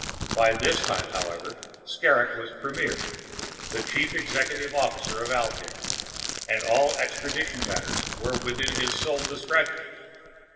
By this time, however, Skrrgck was Premier, the chief executive officer of Altair, and all extradition matters were within his sole discretion.